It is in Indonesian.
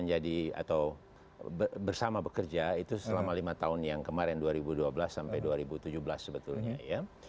menjadi atau bersama bekerja itu selama lima tahun yang kemarin dua ribu dua belas sampai dua ribu tujuh belas sebetulnya ya